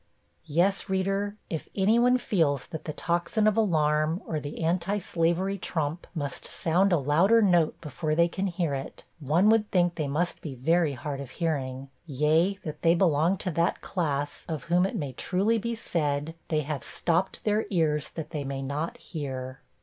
Yes, reader, if any one feels that the tocsin of alarm, or the anti slavery trump, must sound a louder note before they can hear it, one would think they must be very hard of hearing, yea, that they belong to that class, of whom it may be truly said, 'they have stopped their ears that they may not hear.'